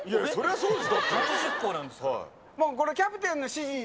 そうです。